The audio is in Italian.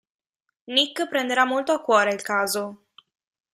Nick prenderà molto a cuore il caso.